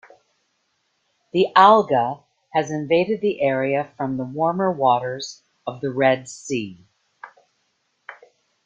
The alga has invaded the area from the warmer waters of the Red Sea.